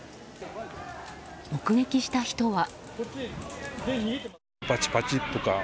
目撃した人は。